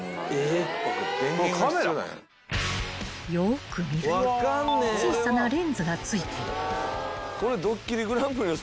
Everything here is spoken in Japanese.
［よく見ると小さなレンズが付いている］